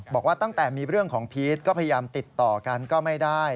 บอกว่าตั้งแต่มีเรื่องของพีชก็พยายามติดต่อกันก็ไม่ได้